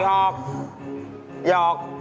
หยอก